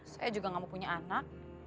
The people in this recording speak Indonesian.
saya juga gak mau punya anak